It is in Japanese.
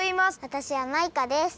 わたしはマイカです。